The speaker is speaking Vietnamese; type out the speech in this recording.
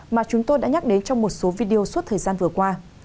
mà chúng tôi đã nhắc đến trong một số video suốt thời gian vừa qua